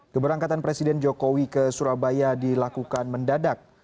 keberangkatan presiden jokowi ke surabaya dilakukan mendadak